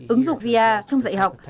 ứng dụng vr trong dạy học